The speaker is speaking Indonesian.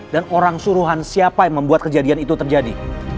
dan orang suruhan siapa yang membuat kejadian itu terjadi